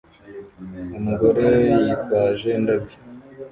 Umugore yitwaje indabyo